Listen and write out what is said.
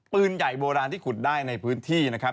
ปืนใหญ่โบราณที่ขุดได้ในพื้นที่นะครับ